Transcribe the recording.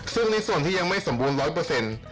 ซึ่งในส่วนที่ยังไม่สมบูรณ์๑๐๐